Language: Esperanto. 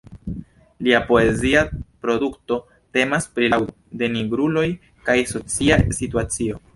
Lia poezia produkto temas pri laŭdo de "nigruloj kaj socia situacio".